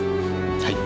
はい。